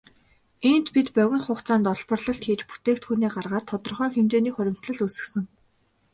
Иймд бид богино хугацаанд олборлолт хийж бүтээгдэхүүнээ гаргаад тодорхой хэмжээний хуримтлал үүсгэнэ.